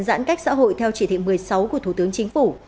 giãn cách xã hội theo chỉ thị một mươi sáu của thủ tướng chính phủ